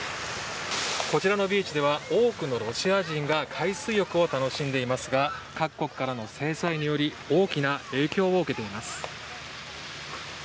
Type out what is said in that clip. こちらのビーチでは多くのロシア人が海水浴を楽しんでいますが各国からの制裁により大きな影響を受けています。